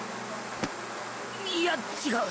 いや違う